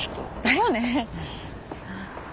だよね。